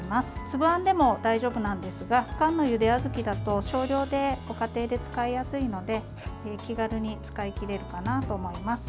粒あんでも大丈夫なんですが缶のゆであずきだと少量でご家庭で使いやすいので気軽に使いきれるかなと思います。